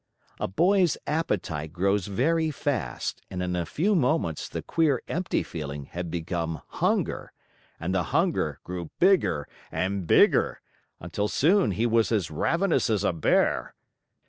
A boy's appetite grows very fast, and in a few moments the queer, empty feeling had become hunger, and the hunger grew bigger and bigger, until soon he was as ravenous as a bear.